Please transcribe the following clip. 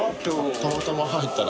たまたま入ったら。